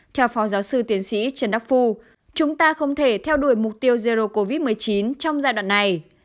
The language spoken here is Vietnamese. theo phó giáo sư tiến sĩ trần đắc phu chúng ta không thể theo đuổi mục tiêu zero covid một mươi chín trong giai đoạn này